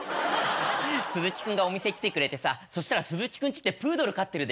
スズキ君がお店来てくれてさそしたらスズキ君ちってプードル飼ってるでしょ？